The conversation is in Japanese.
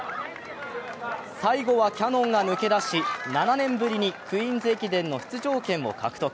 最後はキヤノンが抜け出し、７年ぶりにクイーンズ駅伝の出場権を獲得。